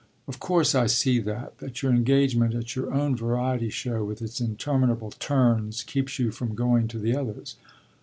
"Of course I see that that your engagement at your own variety show, with its interminable 'turns,' keeps you from going to the others.